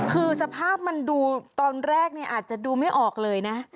คือสภาพมันดูตอนแรกเนี่ยอาจจะดูไม่ออกเลยนะ